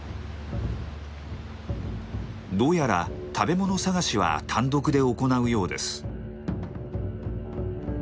どうやら食べ物探しは単独で行うようです。